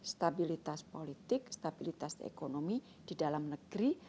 stabilitas politik stabilitas ekonomi di dalam negeri